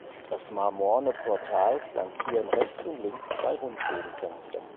Das marmorne Portal flankieren rechts und links zwei Rundbogenfenster.